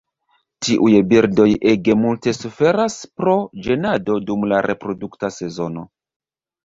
Tiuj birdoj ege multe suferas pro ĝenado dum la reprodukta sezono.